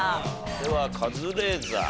ではカズレーザー。